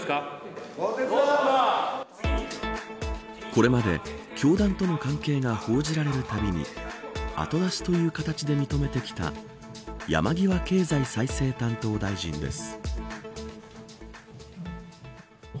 これまで教団との関係が報じられるたびに後出しという形で認めてきた山際経済再生担当大臣です。